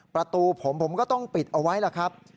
ประตูผมผมก็ต้องปิดเอาไว้ล่ะครับ